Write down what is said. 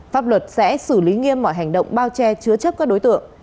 pháp luật sẽ xử lý nghiêm mọi hành động bao che chứa chấp các đối tượng